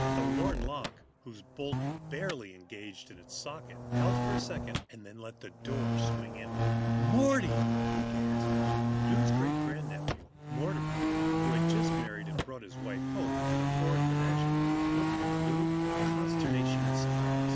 The worn lock, whose bolt barely engaged its socket, held for a second, then let the door swing inward. "Morty!" gasped Lou. Lou's great grandnephew, Mortimer, who had just married and brought his wife home to the Ford menage, looked at Lou with consternation and surprise.